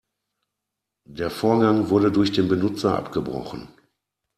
Der Vorgang wurde durch den Benutzer abgebrochen.